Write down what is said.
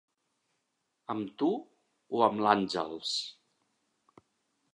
Amb tu o amb l'Àngels?